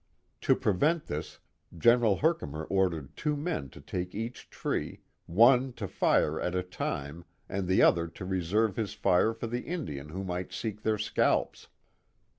To prevent this, General Herkimer ordered two men to take each tree, one to fire at a time and the other to reserve his fire for the Indian who might seek their scalps.